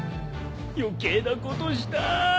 余計なことしたぁ。